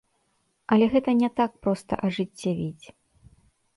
Але гэта не так проста ажыццявіць.